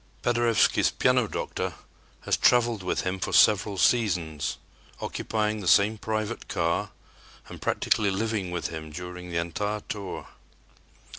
Paderewski's "piano doctor" has traveled with him for several seasons, occupying the same private car and practically living with him during the entire tour.